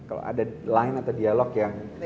kalau ada line atau dialog yang